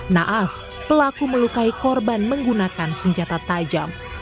naas pelaku melukai korban menggunakan senjata tajam